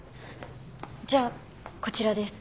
じゃあこちらです。